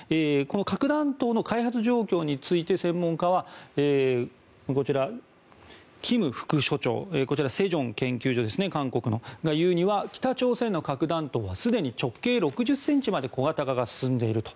核弾頭の開発状況について専門家はこちら韓国の世宗研究所のキム副所長が言うには北朝鮮の核弾頭はすでに直径６０ｃｍまで小型化が進んでいると。